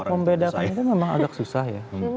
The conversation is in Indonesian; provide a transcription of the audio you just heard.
untuk membedakannya memang agak susah ya